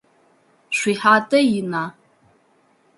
Шъуихатэ ина?